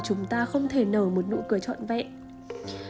chúng ta không thể nở một nụ cười trọn vẹn